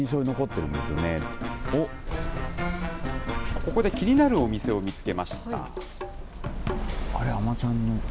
ここで気になるお店を見つけました。